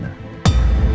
pak surya dan bu sarah